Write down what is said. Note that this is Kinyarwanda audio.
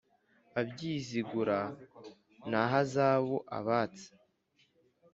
Abyizigura nta hazabu!abatse